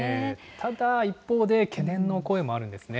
ただ一方で、懸念の声もあるんですね。